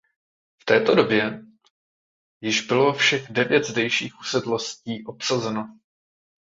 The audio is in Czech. V této době již bylo všech devět zdejších usedlostí obsazeno.